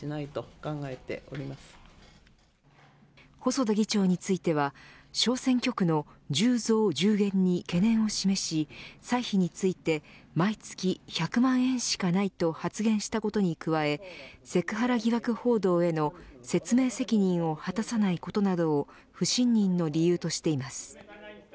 細田議長については小選挙区の１０増１０減に懸念を示し歳費について毎月１００万円しかないと発言したことに加えセクハラ疑惑報道への説明責任を果たさないことなどを不信任の理由としています。